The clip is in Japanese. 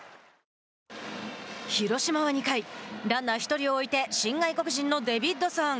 広島は２回ランナー１人を置いて新外国人のデビッドソン。